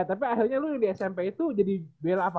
eh tapi akhirnya lu di smp itu jadi bel apa